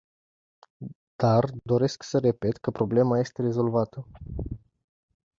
Dar doresc să repet că problema este rezolvată.